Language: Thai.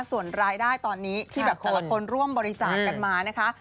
ส่วนรายได้ตอนนี้ที่แบบคนละคนร่วมบริจาคกันมานะคะ